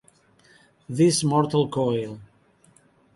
This Mortal Coil